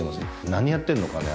何やってんのかね？